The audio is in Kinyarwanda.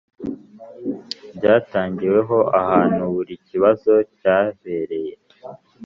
Byatangiweho ahantu buri ikibazo cyabereye